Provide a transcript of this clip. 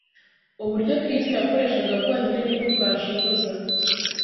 Uburyo Kristo yakoreshaga bwonyine ni bwo bwashoboza